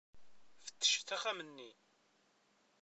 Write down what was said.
Fettcet axxam-nni.